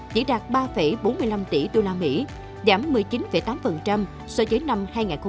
chỉ đạt ba bốn mươi năm tỷ usd giảm một mươi chín tám so với năm hai nghìn một mươi bảy